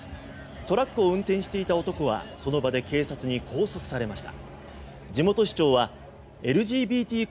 トラックを運転していた男はその場で警察に拘束されました。